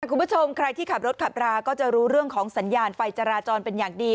คุณผู้ชมใครที่ขับรถขับราก็จะรู้สัญญาณของไฟจาราจรเป็นอย่างดี